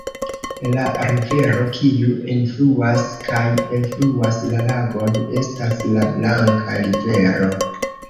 La rivero, kiu enfluas kaj elfluas la lagon, estas la Blanka rivero.